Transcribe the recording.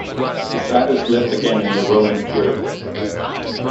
The site is left again in the Roman period.